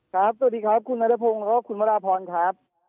สวัสดีครับคุณนัทพงศ์แล้วก็คุณวราพรครับ